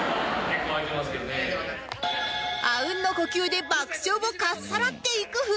阿吽の呼吸で爆笑をかっさらっていく２人